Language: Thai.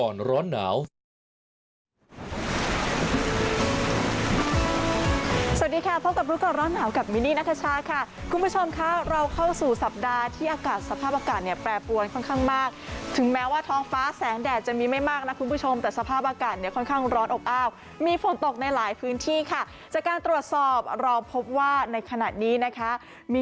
สวัสดีค่ะพบกับรู้ก่อนร้อนหนาวกับมินนี่นัทชาค่ะคุณผู้ชมค่ะเราเข้าสู่สัปดาห์ที่อากาศสภาพอากาศเนี่ยแปรปวนค่อนข้างมากถึงแม้ว่าท้องฟ้าแสงแดดจะมีไม่มากนะคุณผู้ชมแต่สภาพอากาศเนี่ยค่อนข้างร้อนอบอ้าวมีฝนตกในหลายพื้นที่ค่ะจากการตรวจสอบเราพบว่าในขณะนี้นะคะมี